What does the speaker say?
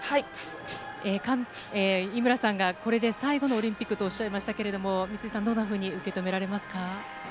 三井さん、井村さんのこれで最後のオリンピックとおっしゃいましたけれども、どんなふうに受け止められますか？